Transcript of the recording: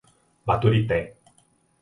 Baturité